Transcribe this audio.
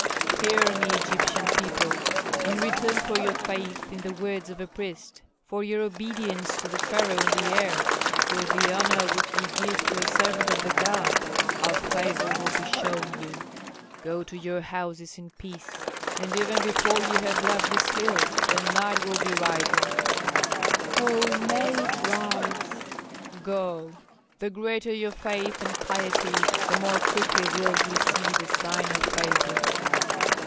"Hear me, Egyptian people. In return for your faith in the words of a priest, for your obedience to the pharaoh and the heir, for the honor which ye give to a servant of the god, a favor will be shown you. Go to your houses in peace, and even before ye have left this hill the Nile will be rising." "Oh, may it rise!" "Go! The greater your faith and piety the more quickly will ye see the sign of favor."